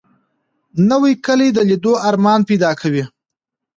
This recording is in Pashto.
نوې کلی د لیدو ارمان پیدا کوي